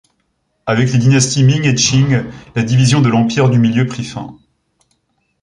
Avec les dynasties Ming et Qing, la division de l'Empire du Milieu prit fin.